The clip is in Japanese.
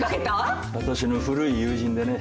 私の古い友人でね。